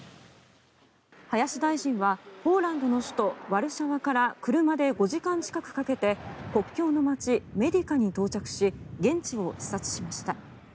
林大臣はポーランドの首都ワルシャワから車で５時間近くかけて国境の街メディカに到着し現地を視察しました。